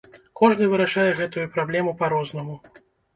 Кожны вырашае гэтую праблему па-рознаму.